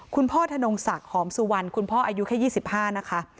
คุณพ่อธนงศักดิ์หอมสุวรรณคุณพ่ออายุแค่๒๕นะคะ